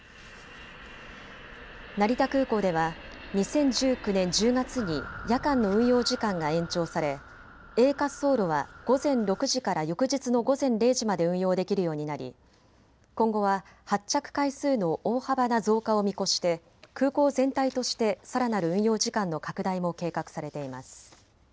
成田空港では２０１９年１０月に夜間の運用時間が延長されＡ滑走路は午前６時から翌日の午前０時まで運用できるようになり今後は発着回数の大幅な増加を見越して空港全体としてさらなる運用時間の拡大も計画されています。